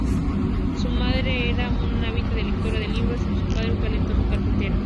Su madre era una ávida lectora de libros y su padre un talentoso carpintero.